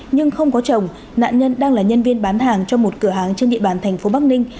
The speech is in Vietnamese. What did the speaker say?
nhưng không có chồng nạn nhân đang là nhân viên bán hàng cho một cửa hàng trên địa bàn thành phố bắc ninh